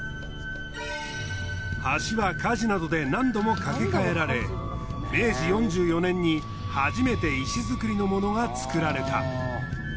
橋は火事などで何度も架け替えられ明治４４年に初めて石造りのものが造られた。